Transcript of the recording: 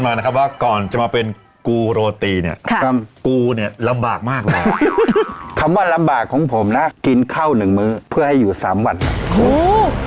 เขาเป็นสัมพันธ์มะครับก่อนจะมาเป็นกรูโรตี้เนี่ยค่ะกูเนี่ยลำบากมากขอบคุณป้ามผมว่ากินข้าว๑มื้อเพื่อให้อยู่สามวันครับ